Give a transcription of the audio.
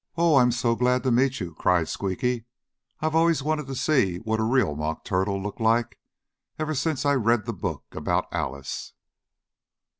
"Oh, I'm so glad to meet you!" cried Squeaky. "I've always wanted to see what a real mock turtle looked like, ever since I read the book about Alice."